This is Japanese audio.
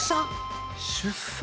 出産。